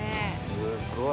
すごい。